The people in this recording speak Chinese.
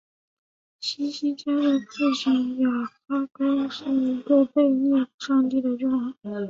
希西家的父亲亚哈斯是一个背逆上帝的君王。